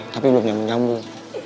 tapi belum nyambung nyambung